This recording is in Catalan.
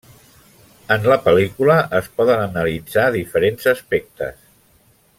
En la pel·lícula es poden analitzar diferents aspectes.